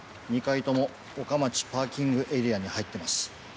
２回とも岡町パーキングエリアに入ってます。